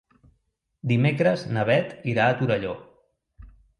Dimecres na Beth irà a Torelló.